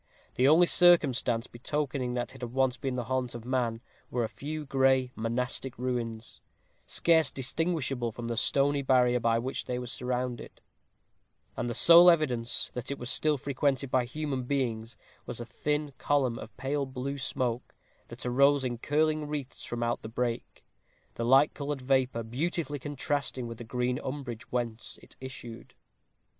The only circumstance betokening that it had once been the haunt of man were a few gray monastic ruins, scarce distinguishable from the stony barrier by which they were surrounded; and the sole evidence that it was still frequented by human beings was a thin column of pale blue smoke, that arose in curling wreaths from out the brake, the light colored vapor beautifully contrasting with the green umbrage whence it issued.